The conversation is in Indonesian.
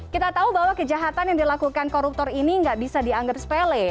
kita tahu bahwa kejahatan yang dilakukan koruptor ini nggak bisa dianggap sepele